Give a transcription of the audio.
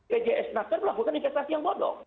bjs naker melakukan investasi yang bodong